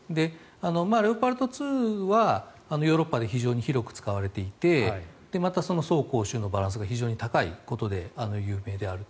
レオパルト２はヨーロッパで非常に広く使われていてまた走攻守のバランスが非常に高いことで有名であると。